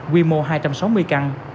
quy mô hai trăm sáu mươi căn